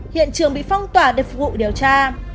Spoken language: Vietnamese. hiện trường bị phong tỏa để phục vụ điều tra